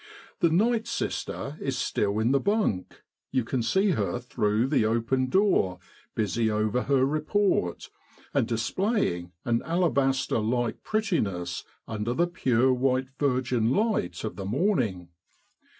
The night sister is still in the bunk you can see her through the open door busy over her report, and dis playing an alabaster like prettiness under the pure white virgin light of the morning.